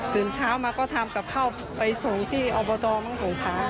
เช้ามาก็ทำกับข้าวไปส่งที่อบตมั่งผงผา